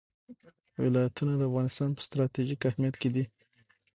ولایتونه د افغانستان په ستراتیژیک اهمیت کې دي.